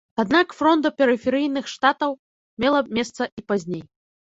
Аднак фронда перыферыйных штатаў мела месца і пазней.